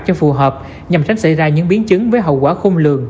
cho phù hợp nhằm tránh xảy ra những biến chứng với hậu quả khôn lường